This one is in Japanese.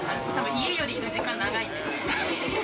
家よりいる時間長いんで。